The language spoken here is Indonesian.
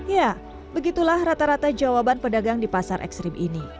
ya begitulah rata rata jawaban pedagang di pasar ekstrim ini